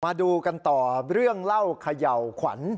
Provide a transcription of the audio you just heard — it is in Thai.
มาดูกันต่อเรื่องเล่าเขย่าขวัญ